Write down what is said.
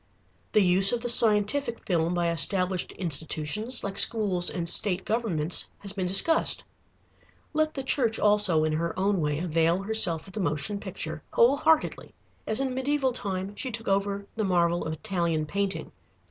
The use of the scientific film by established institutions like schools and state governments has been discussed. Let the Church also, in her own way, avail herself of the motion picture, whole heartedly, as in mediæval time she took over the marvel of Italian painting.